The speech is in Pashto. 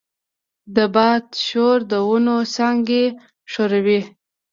د باد شور د ونو څانګې ښوروي.